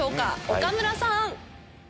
岡村さん！